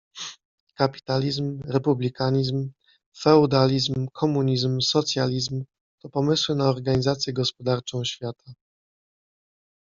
Kapitalizm, republikanizm, feudalizm, komunizm, socjalizm to pomysły na organizację gospodarczą państwa.